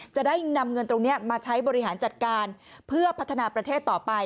จะได้นำเงินตรงนี้มาใช้บริหารจัดการเพื่อพัฒนาประเทศต่อไป